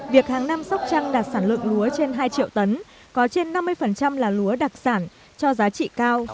việc hàng năm sóc trăng đạt sản lượng lúa trên hai triệu tấn có trên năm mươi là lúa đặc sản cho giá trị cao